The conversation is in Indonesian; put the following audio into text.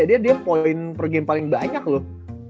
dia poin per game paling banyak loh